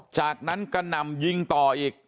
จากนั้นกระหน่ำยิงต่ออีก